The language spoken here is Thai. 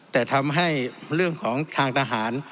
แต่ทำให้เรื่องของทางทหาร